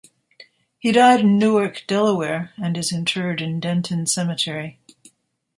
He died in Newark, Delaware, and is interred in Denton Cemetery.